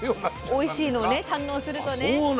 おいしいのをね堪能するとね。